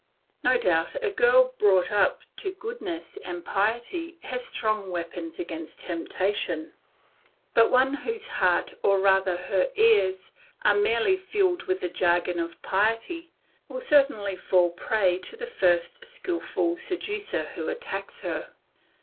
No doubt a girl brought up to goodness and piety has strong weapons against temptation; but one whose heart, or rather her ears, are merely filled with the jargon of piety, will certainly fall a prey to the first skilful seducer who attacks her.